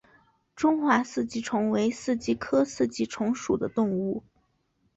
中华四极虫为四极科四极虫属的动物。